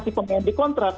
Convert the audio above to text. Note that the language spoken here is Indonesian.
si pemain dikontrak